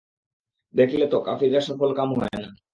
দেখলে তো, কাফিররা সফলকাম হয় না।